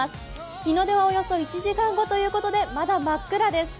日の出はおよそ１時間後ということで、まだ真っ暗です。